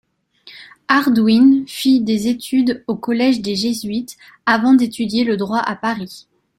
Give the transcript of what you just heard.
Harduin fit des études au Collège des jésuites avant d’étudier le droit à Paris.